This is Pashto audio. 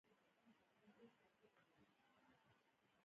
ایا زه باید پرهیز وکړم؟